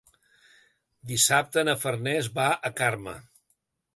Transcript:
Dissabte na Farners va a Carme.